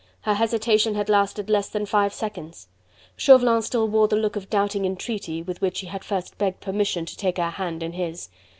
Her hesitation had lasted less than five seconds: Chauvelin still wore the look of doubting entreaty with which he had first begged permission to take her hand in his.